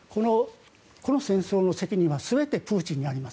この戦争の責任は全てプーチンにあります。